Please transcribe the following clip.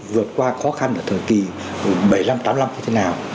vượt qua khó khăn ở thời kỳ bảy mươi năm tám mươi năm như thế nào